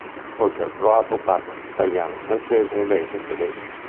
Oltre al croato, parla italiano, francese, inglese e tedesco.